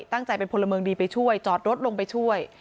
ตั้งใจเป็นพลเมืองดีไปช่วยจอดรถลงไปช่วย